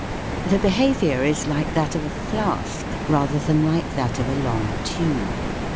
The behaviour is like that of a flask, rather than like that of a long tube.